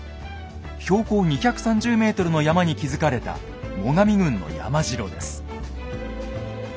標高２３０ｍの山に築かれた最上軍の山城です。